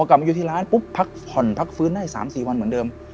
กลับมาอยู่ที่ร้านปุ๊บพักผ่อนพักฟื้นได้๓๔วันเหมือนเดิม